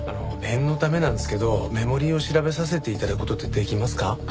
念のためなんですけどメモリーを調べさせて頂く事ってできますか？